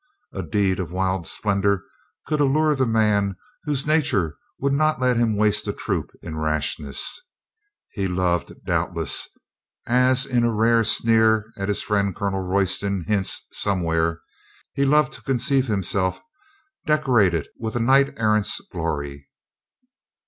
A deed of wild splendor could allure the man whose nature would not let him waste a troop in rashness. He loved, doubtless — as in a rare sneer at his friend Colonel Royston hints somewhere — he loved to con ceive himself decorated with a knight errant's glory.